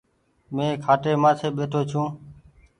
مين کآٽي مآٿي ٻيٺو ڇو۔